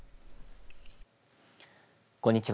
こんにちは。